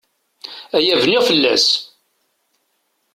Aya bniɣ fell-as!